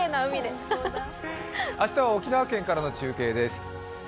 明日は沖縄県からの中継です。